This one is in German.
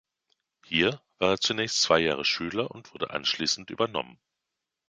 Hier war er zunächst zwei Jahre Schüler und wurde anschließend übernommen.